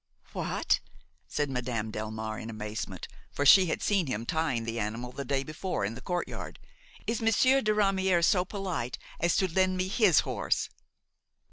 "What!" said Madame Delmare in amazement, for she had seen him trying the animal the day before in the courtyard, "is Monsieur de Ramière so polite as to lend me his horse?"